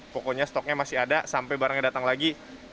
pokoknya stoknya masih ada sampai barangnya datang lagi